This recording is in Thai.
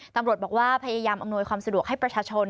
ตำรวจบอกว่าพยายามอำนวยความสะดวกให้ประชาชน